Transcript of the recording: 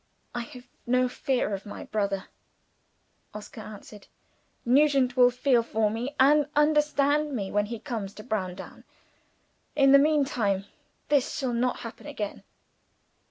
"I have no fear of my brother," Oscar answered. "Nugent will feel for me, and understand me, when he comes to Browndown. In the meantime, this shall not happen again."